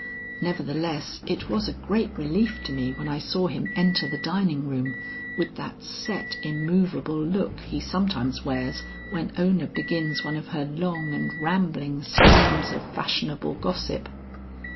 Nevertheless it was a great relief to me when I saw him enter the dining room with that set immovable look he sometimes wears when Ona begins one of her long and rambling streams of fashionable gossip.